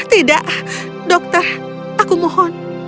tidak dokter aku mohon